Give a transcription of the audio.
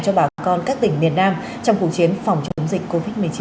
cho bà con các tỉnh miền nam trong cuộc chiến phòng chống dịch covid một mươi chín